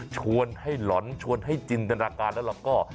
ชวนให้หล่อนชวนให้จินตนาการแล้วแล้วก็